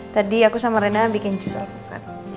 tadi aku sama rena bikin jus alpukat